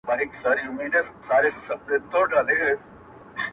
له هري تر بدخشانه ارغوان وي غوړېدلی -